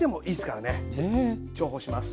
重宝します。